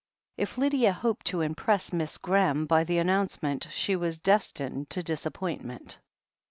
If Lydia hoped to impress Miss Graham by the an nouncement, she was destined to disappointment.